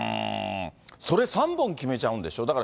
それ、３本決めちゃうんでしょ。